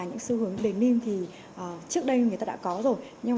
những xu hướng denim thì ờ trước đây người ta đã có rồi nhưng